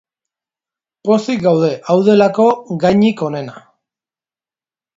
Pozik gaude, hau delako gainik onena.